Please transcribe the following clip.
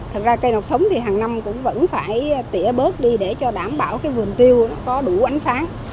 thật ra cây nọc sống thì hàng năm cũng vẫn phải tỉa bớt đi để cho đảm bảo cái vườn tiêu nó có đủ ánh sáng